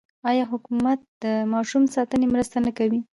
آیا حکومت د ماشوم ساتنې مرسته نه کوي؟